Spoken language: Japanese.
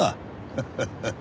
ハハハハ。